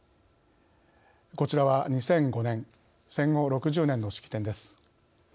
こちらは２００５年戦後６０年の式典です。